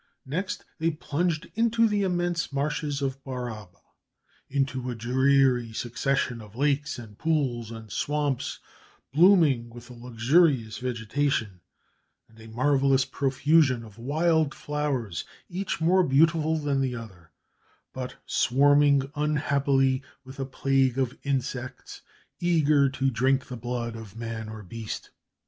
Next they plunged into the immense marshes of Baraba; into a dreary succession of lakes, and pools, and swamps, blooming with a luxurious vegetation and a marvellous profusion of wild flowers, each more beautiful than the other, but swarming, unhappily, with a plague of insects eager to drink the blood of man or beast.